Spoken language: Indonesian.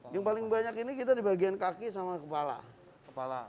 yang paling banyak ini kita di bagian kaki sama kepala